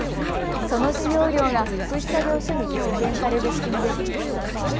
その使用料が福祉作業所に還元される仕組みです。